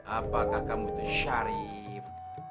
apakah kamu itu syarif